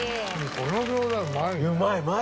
この餃子うまいよね。